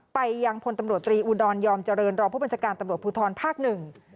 ไปยังพลตำรวจตรีอุดรยอมเจริญรองผู้บัญชาการตำรวจภูทรภาคหนึ่ง